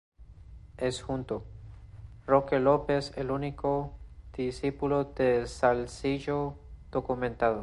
Es junto Roque López el único discípulo de Salzillo documentado.